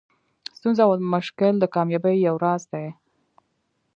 ستونزه او مشکل د کامیابۍ یو راز دئ.